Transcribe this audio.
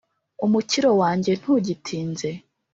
umukiro wanjye ntugitinze ;